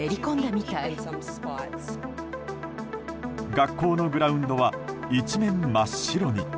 学校のグラウンドは一面真っ白に。